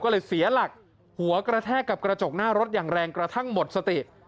ก็เลยเสียหลักหัวกระแทกกับกระจกหน้ารถอย่างแรงกระทั่งหมดสติ